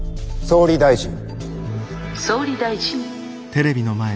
「総理大臣」。